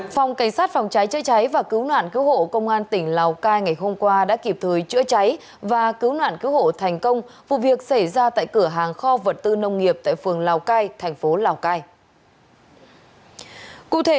phòng cảnh sát phòng cháy chữa cháy và cứu nạn cứu hộ công an tỉnh lào cai ngày hôm qua đã kịp thời chữa cháy và cứu nạn cứu hộ thành công vụ việc xảy ra tại cửa hàng kho vật tư nông nghiệp tại phường lào cai thành phố lào cai